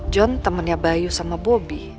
john temennya bayu sama bobi